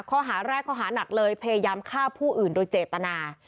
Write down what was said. ข้อหาแรกข้อหานักเลยพยายามฆ่าผู้อื่นโดยเจตนา